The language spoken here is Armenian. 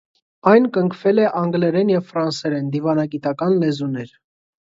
Այն կնքվել է անգլերեն և ֆրանսերեն (դիվանագիտական լեզուներ)։